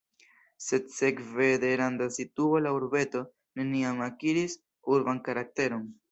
Sed sekve de randa situo la urbeto neniam akiris urban karakteron.